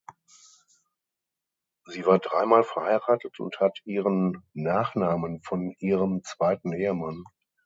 Sie war dreimal verheiratet und hat ihren Nachnamen von ihrem zweiten Ehemann.